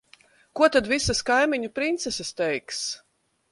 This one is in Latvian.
Ko tad visas kaimiņu princeses teiks?